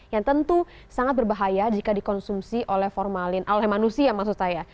yang tentu sangat berbahaya jika dikonsumsi oleh formalin oleh manusia maksud saya